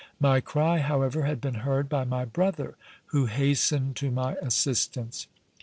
My cry, however, had been heard by my brother, who hastened to my assistance.